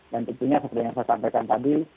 dan tentunya seperti yang saya sampaikan tadi